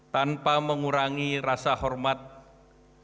tanpa mengurangi rasa hormat kami terhadap hadirnya